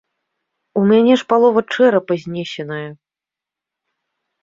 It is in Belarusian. У мяне ж палова чэрапа знесеная.